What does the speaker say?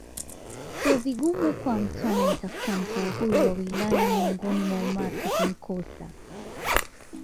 Sio vigumu kwa mtu anayemtafuta mkuu huyu wa wilaya miongoni mwa umati kumkosa